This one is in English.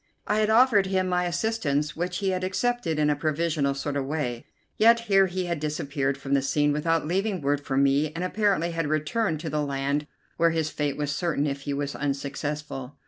I had offered him my assistance, which he had accepted in a provisional sort of way, yet here he had disappeared from the scene without leaving word for me, and apparently had returned to the land where his fate was certain if he was unsuccessful.